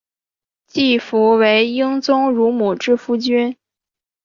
季福为英宗乳母之夫君。